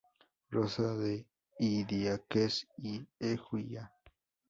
Rosa de Idiáquez y Eguía.